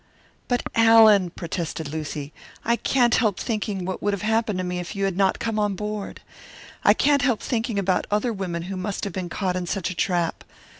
"But, Allan!" protested Lucy. "I can't help thinking what would have happened to me if you had not come on board! I can't help thinking about other women who must have been caught in such a trap.